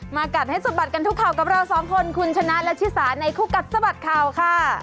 กัดให้สะบัดกันทุกข่าวกับเราสองคนคุณชนะและชิสาในคู่กัดสะบัดข่าวค่ะ